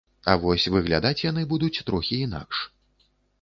А вось выглядаць яны будуць трохі інакш.